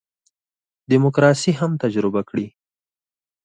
دیموکراسي هم تجربه کړي.